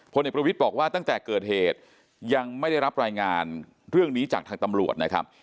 เด็กประวิทย์บอกว่าตั้งแต่เกิดเหตุยังไม่ได้รับรายงานเรื่องนี้จากทางตำรวจนะครับ